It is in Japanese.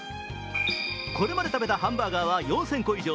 これまで食べたチーズバーガーは４０００個以上。